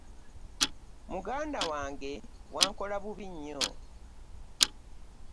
Muganda wange wankola bubi nnyo.